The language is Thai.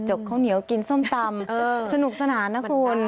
ข้าวเหนียวกินส้มตำสนุกสนานนะคุณ